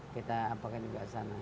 kita apakan juga sana